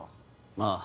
ああ。